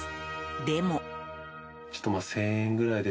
でも。